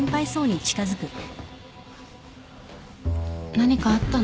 何かあったの？